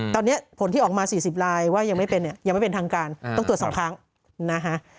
ตอนนี้ผลที่ออกมา๔๐ลายว่ายังไม่เป็นเนี่ยยังไม่เป็นทางการต้องตรวจ๒ครั้งนะฮะ